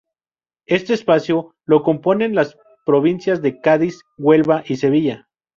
Este espacio lo componen las provincias de Cádiz, Huelva y Sevilla.